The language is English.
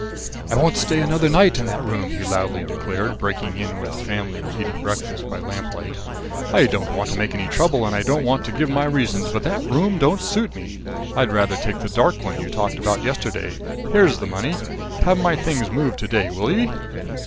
"I won't stay another night in that room," he loudly declared, breaking in where the family were eating breakfast by lamplight. "I don't want to make any trouble and I don't want to give my reasons; but that room don't suit me. I'd rather take the dark one you talked about yesterday. There's the money. Have my things moved to day, will ye?"